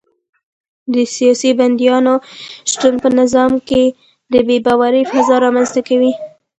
د سیاسي بندیانو شتون په نظام کې د بې باورۍ فضا رامنځته کوي.